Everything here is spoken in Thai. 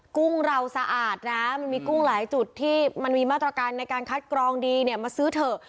กุ้งเราสะอาดนะมันมีกุ้งหลายจุดที่มันมีมาตรการในการคัดกรองดีเนี่ยมาซื้อเถอะ